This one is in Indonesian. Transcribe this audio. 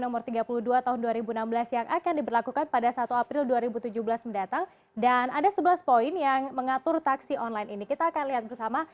nomor tiga puluh dua tahun dua ribu enam belas yang akan diberlakukan pada satu april dua ribu tujuh belas mendatang dan ada sebelas poin yang mengatur taksi online ini kita akan lihat bersama